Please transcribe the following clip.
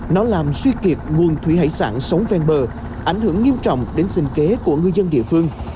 nó làm suy kiệt nguồn thủy hải sản sống ven bờ ảnh hưởng nghiêm trọng đến sinh kế của ngư dân địa phương